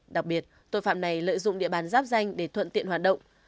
đặc biệt tội phạm này lợi dụng địa bàn giáp danh để thuận tiện hoạt động